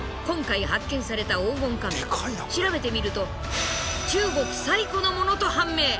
今回発見された黄金仮面調べてみると中国最古のものと判明。